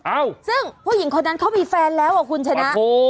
เอ้าซึ่งผู้หญิงคนนั้นเขามีแฟนแล้วอ่ะคุณชนะโอ้